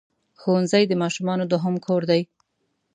ښوونځی د ماشومانو دوهم کور دی.